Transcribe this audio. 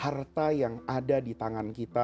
harta yang ada di tangan kita